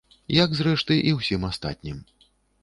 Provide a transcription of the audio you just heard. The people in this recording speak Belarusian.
Як, зрэшты, і ўсім астатнім.